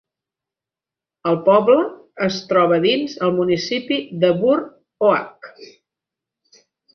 El poble es troba dins el municipi de Burr Oak.